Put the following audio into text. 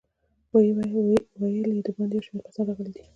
ویل یې د باندې یو شمېر کسان راغلي دي.